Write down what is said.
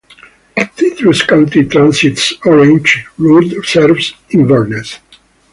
Citrus County Transit's Orange route serves Inverness.